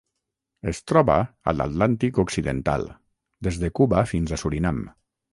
Es troba a l'Atlàntic occidental: des de Cuba fins a Surinam.